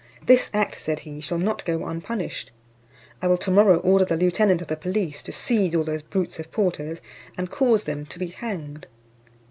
"This act," said he, "shall not go unpunished. I will to morrow order the lieutenant of the police to seize all those brutes of porters, and cause them to be hanged."